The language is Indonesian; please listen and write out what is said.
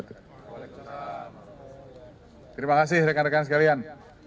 terima kasih rekan rekan sekalian